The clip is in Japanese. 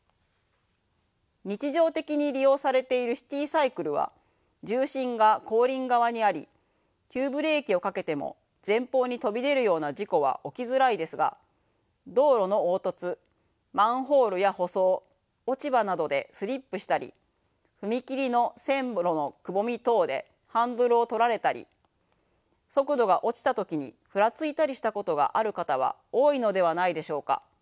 日常的に利用されているシティサイクルは重心が後輪側にあり急ブレーキをかけても前方に飛び出るような事故は起きづらいですが道路の凹凸マンホールや舗装落ち葉などでスリップしたり踏切の線路のくぼみ等でハンドルをとられたり速度が落ちた時にふらついたりしたことがある方は多いのではないでしょうか。